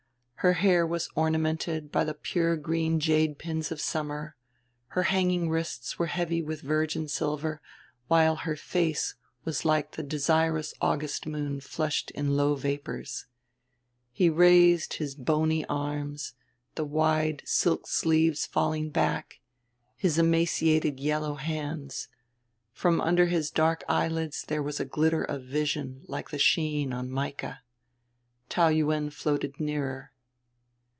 Her hair was ornamented by the pure green jade pins of summer, her hanging wrists were heavy with virgin silver, while her face was like the desirous August moon flushed in low vapors. He raised his bony arms the wide silk sleeves falling back his emaciated yellow hands. From under his dark eyelids there was a glitter of vision like the sheen on mica... Taou Yuen floated nearer.